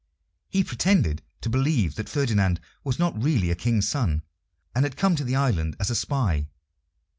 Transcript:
He pretended to believe that Ferdinand was not really a King's son, and had come to the island as a spy.